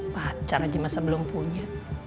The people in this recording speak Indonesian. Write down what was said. pacar lagi masa belum punya